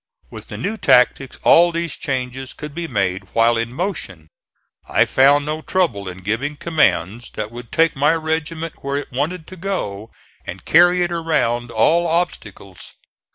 With the new tactics all these changes could be made while in motion. I found no trouble in giving commands that would take my regiment where I wanted it to go and carry it around all obstacles.